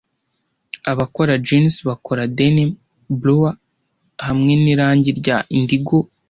Abakora Jeans bakora denim bluer hamwe n irangi rya indigo.